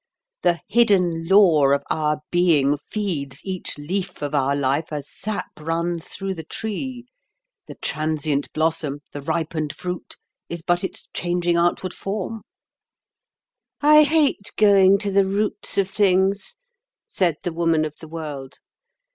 "The hidden law of our being feeds each leaf of our life as sap runs through the tree. The transient blossom, the ripened fruit, is but its changing outward form." "I hate going to the roots of things," said the Woman of the World.